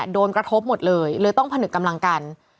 โดนกระทบหมดเลยเลยต้องผนึกกำลังกัน